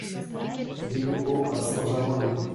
Rue de Haut à Saint-Germain-des-Vaux